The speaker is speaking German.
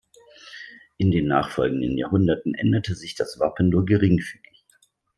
In den nachfolgenden Jahrhunderten änderte sich das Wappen nur geringfügig.